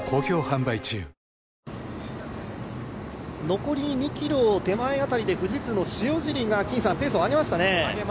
残り２ｋｍ手前辺りで富士通の塩尻がペースを上げましたね。